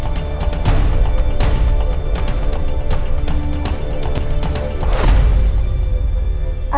permisi saya guru silakan